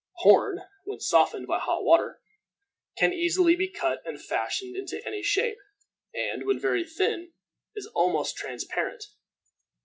Horn, when softened by hot water, can easily be cut and fashioned into any shape, and, when very thin, is almost transparent.